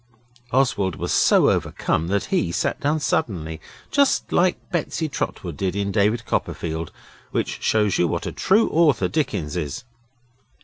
Oswald was so overcome that he sat down suddenly, just like Betsy Trotwood did in David Copperfield, which just shows what a true author Dickens is.